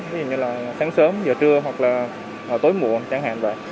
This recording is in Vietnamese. ví dụ như là sáng sớm giờ trưa hoặc là tối muộn chẳng hạn vậy